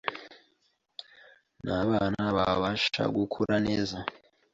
N’abana babasha gukura neza,